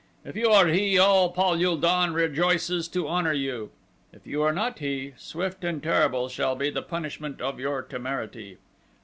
If you are he, all Pal ul don rejoices to honor you; if you are not he, swift and terrible shall be the punishment of your temerity.